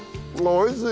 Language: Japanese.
おいしい！